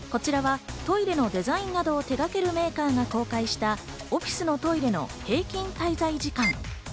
こちらはトイレのデザインなどを手がけるメーカーが公開した、オフィスのトイレの平均滞在時間。